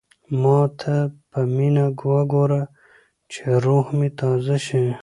ما ته په مینه وګوره چې روح مې تازه شي.